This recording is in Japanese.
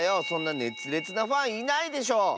そんなねつれつなファンいないでしょ。